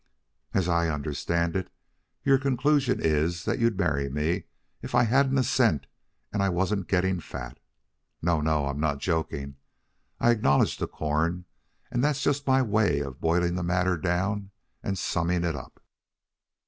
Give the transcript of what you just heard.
As I understand it, your conclusion is that you'd marry me if I hadn't a cent and if I wasn't getting fat. No, no; I'm not joking. I acknowledge the corn, and that's just my way of boiling the matter down and summing it up.